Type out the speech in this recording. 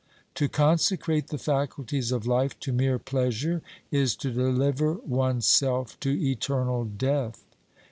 To consecrate the faculties of life to mere pleasure is to deliver one's self to eternal death.